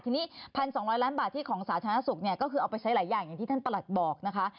ทีนี้๑๒๐๐ล้านบาทที่ของสาธารณสุขเนี่ยก็คือเอาไปใช้หลายอย่างอย่างที่ท่านประหลัดบอกนะคะ